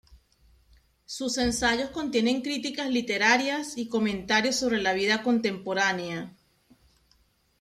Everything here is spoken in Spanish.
Sus ensayos contienen críticas literarias y comentarios sobre la vida contemporánea.